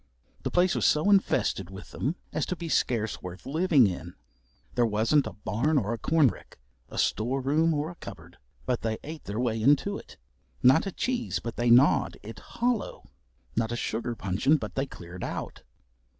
The place was so infested with them as to be scarce worth living in. There wasn't a barn or a corn rick, a store room or a cupboard, but they ate their way into it. Not a cheese but they gnawed it hollow, not a sugar puncheon but they cleared out.